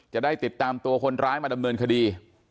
จะได้ติดตามตัวคนร้ายมาดำเนินคดี